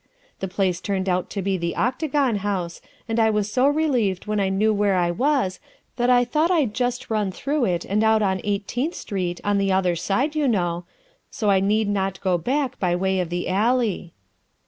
The place turned out to be the Octagon House, and I was so relieved when I knew where I was that I thought I 'd just run through it and out on Eighteenth Street, on the other side, you know, so I need not go back by way of the alley."